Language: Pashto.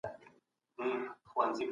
دا کتاب تر هغه بل کتاب ډېر پنډ دی.